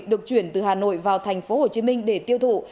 được chuyển từ hà nội vào tp hcm để tiêu thụ